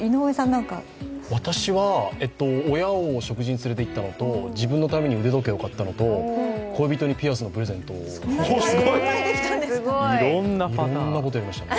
私は親を食事に連れていったのと、自分のために腕時計を買ったのと恋人にピアスのプレゼントをしましたね。